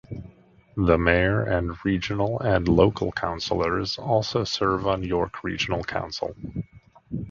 The mayor and regional and local councillors also serve on York Regional Council.